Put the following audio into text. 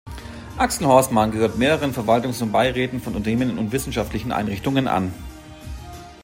Axel Horstmann gehört mehreren Verwaltungs- und Beiräten von Unternehmen und wissenschaftlichen Einrichtungen an.